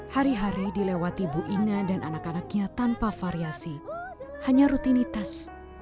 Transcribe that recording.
hari hari dilewati ibu ina dan anak anaknya tanpa variasi hanya rutinitas